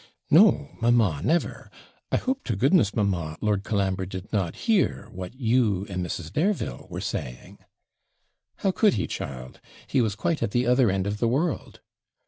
'No, mamma, never. I hope to goodness, mamma, Lord Colambre did not hear what you and Mrs. Dareville were saying!' 'How could he, child? He was quite at the other end of the world.'